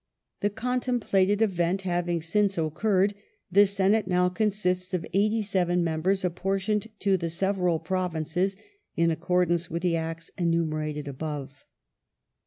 The contemplated event having since occurred, the Senate now consists of eighty seven members apportioned to the several provinces in accordance with the Acts enumerated above.